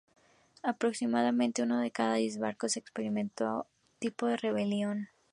Aproximadamente uno de cada diez barcos experimentó algún tipo de rebelión.